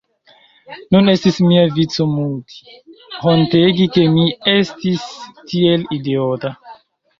Nun estis mia vico muti, hontegi ke mi estis tiel idiota.